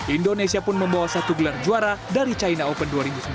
indonesia pun membawa satu gelar juara dari china open dua ribu sembilan belas